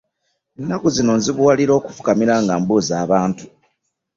Ennaku zino nzibuwalira okufukamira nga mbuza abantu.